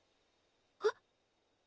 えっ？